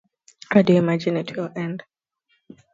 How do you imagine it will end?